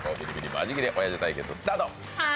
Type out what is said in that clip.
マジギレおやじ対決、スタート！